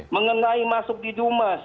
mengenai masuk di dumas